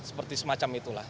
seperti semacam itulah